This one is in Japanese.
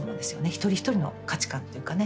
一人一人の価値観っていうかね